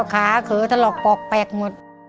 ขาเขอถลอกปอกแปลกหมด